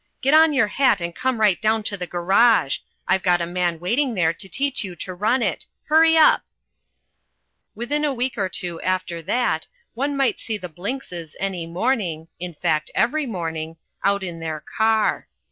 Get on your hat and come right down to the garage. I've got a man waiting there to teach you to run it. Hurry up!" Within a week or two after that one might see the Blinkses any morning, in fact every morning, out in their car!